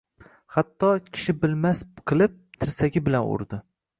Hatto, kishi bilmas qilib, tirsagi bilan urdi.